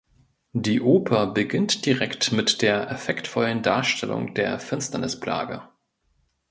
Die Oper beginnt direkt mit der effektvollen Darstellung der Finsternis-Plage.